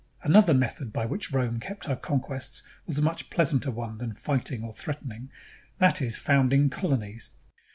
Another method by which Rome kept her conquests was a much pleasanter one than fighting or threat ening, that is, founding colonies.